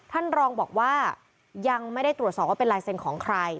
ท่านรองบอกว่ายังไม่ได้ตรวจสอบว่าเป็นลายเซ็นต์ของใคร